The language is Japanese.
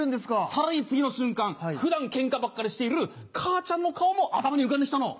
さらに次の瞬間普段ケンカばっかりしている母ちゃんの顔も頭に浮かんで来たの。